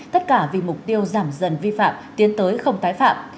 tất cả vì mục tiêu giảm dần vi phạm tiến tới không tái phạm